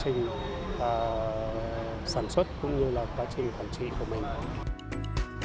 cũng như là quá trình phản trị của mình